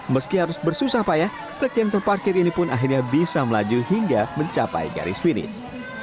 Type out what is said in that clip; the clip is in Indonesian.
meski harus bersusah payah truk yang terparkir ini pun akhirnya bisa melaju hingga mencapai garis finish